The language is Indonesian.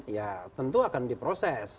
ya tentu akan diproses